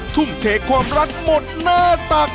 ทุ่มเทความรักหมดหน้าตัก